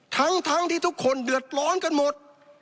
ทั้งที่ทุกคนเดือดร้อนกันหมด